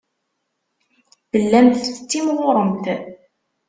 Tellamt tettimɣuremt.